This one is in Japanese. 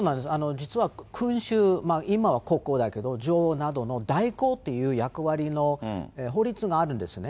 実は君主、今は国王だけど、女王などの代行という役割の法律があるんですね。